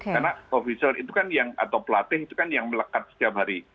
karena ofisial itu kan yang atau pelatih itu kan yang melekat setiap hari